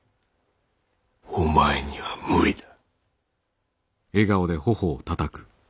お前には無理だ。